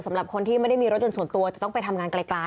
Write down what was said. สำหรับคนที่ไม่ได้มีรถยนต์ส่วนตัวจะต้องไปทำงานไกล